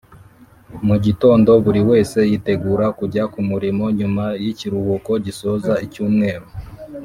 mu gitondo buri wese yiteguraga kujya ku murimo, nyuma y’ikiruhuko gisoza icyumweru.